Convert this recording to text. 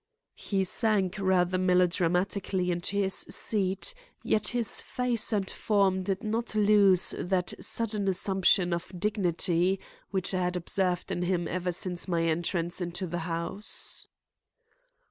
He sank rather melodramatically into his seat, yet his face and form did not lose that sudden assumption of dignity which I had observed in him ever since my entrance into the house.